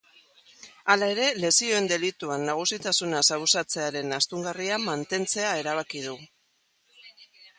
Hala ere, lesioen delituan nagusitasunaz abusatzearen astungarria mantentzea erabaki du.